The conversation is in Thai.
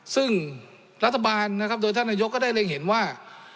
ซึ่งรัฐบาลโดยท่านนโยคก็ได้เรียงเห็นว่า